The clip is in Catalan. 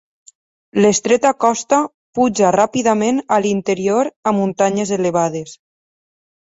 L'estreta costa puja ràpidament a l'interior a muntanyes elevades.